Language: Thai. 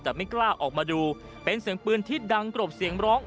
แต่ไม่กล้าออกมาดูเป็นเสียงปืนที่ดังกรบเสียงร้อง